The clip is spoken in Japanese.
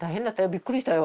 びっくりしたよ